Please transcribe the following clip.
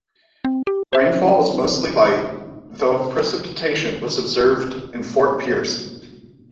Rainfall was mostly light, though of precipitation was observed in Fort Pierce.